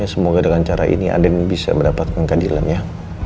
semoga dengan cara ini andin bisa mendapatkan pengadilan ya